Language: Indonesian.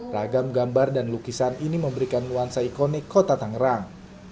ragam gambar dan lukisan ini memberikan nuansa ikonik kota tangerang